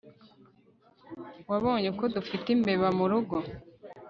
Wabonye ko dufite imbeba murugo